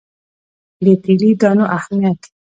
د تیلي دانو اهمیت.